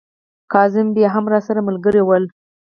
کاظم بې هم راسره ملګري ول.